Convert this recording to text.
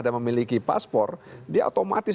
dan memiliki paspor dia otomatis